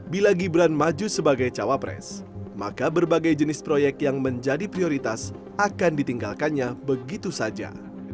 bila gibran maju sebagai cawapres maka berbagai jenis proyek yang menjadi prioritas akan ditinggalkannya begitu saja